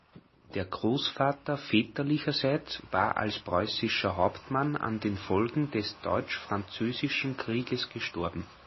Der Großvater väterlicherseits war als preußischer Hauptmann an den Folgen des Deutsch-Französischen Krieges gestorben.